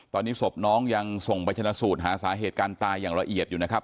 ตอนนี้ศพน้องยังส่งไปชนะสูตรหาสาเหตุการณ์ตายอย่างละเอียดอยู่นะครับ